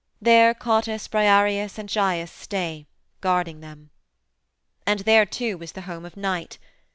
There Cottus, Briareus, and Gyes stay, guarding them. And there, too, is the home of Night.